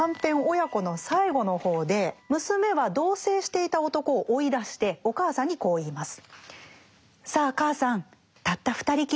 「母娘」の最後の方で娘は同棲していた男を追い出してお母さんにこう言います。